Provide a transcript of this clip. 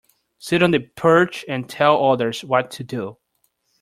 Sit on the perch and tell the others what to do.